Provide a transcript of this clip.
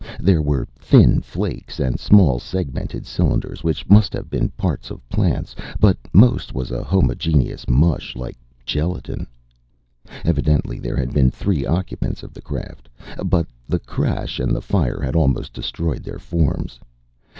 There were thin flakes and small, segmented cylinders which must have been parts of plants. But most was a homogeneous mush like gelatin. Evidently there had been three occupants of the craft. But the crash and the fire had almost destroyed their forms.